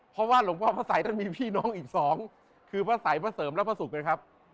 เพราะว่าหลวงพ่อพระสัยท่านมีพี่น้องอีกสองคือพระสัยพระเสริมและพระศุกร์นะครับ